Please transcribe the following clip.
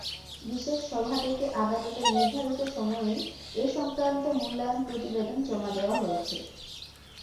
বিশেষ সভা ডেকে আদালতের নির্ধারিত সময়েই এ-সংক্রান্ত মূল্যায়ন প্রতিবেদন জমা দেওয়া হয়েছে।